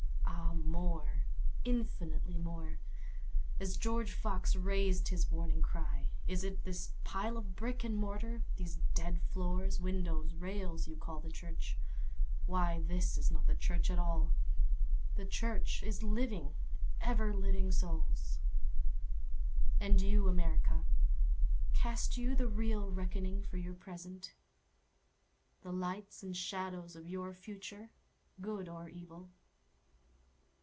Ah more—infinitely more;(As George Fox rais'd his warning cry, "Is it this pile of brick and mortar—these dead floors, windows, rails—you call the church? Why this is not the church at all—the Church is living, ever living Souls.")And you, America, Cast you the real reckoning for your present? The lights and shadows of your future—good or evil?